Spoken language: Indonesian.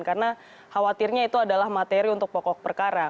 karena khawatirnya itu adalah materi untuk pokok perkara